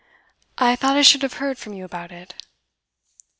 'I thought I should have heard from you about it.